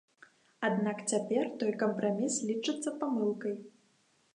Аднак цяпер той кампраміс лічыцца памылкай.